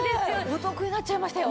お得になっちゃいましたよ。